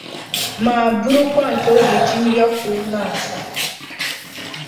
ma bụrụkwa nke ọ ga-eji mmiriọkụ wee na-asa